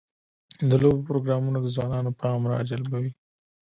د لوبو پروګرامونه د ځوانانو پام راجلبوي.